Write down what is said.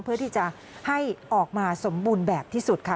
เพื่อที่จะให้ออกมาสมบูรณ์แบบที่สุดค่ะ